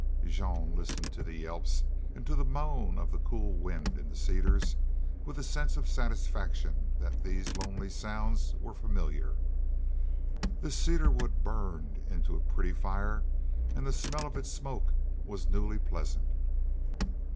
Jean listened to the yelps and to the moan of the cool wind in the cedars with a sense of satisfaction that these lonely sounds were familiar. This cedar wood burned into a pretty fire and the smell of its smoke was newly pleasant.